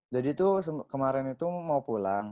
jadi tuh kemarin itu mau pulang